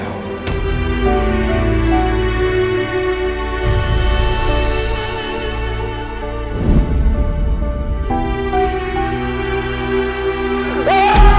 saya sudah mencari